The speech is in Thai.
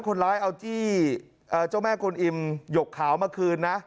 คนร้ายเอาจี้เจ้าแม่กลอิมหยกขาวมาคืนนะ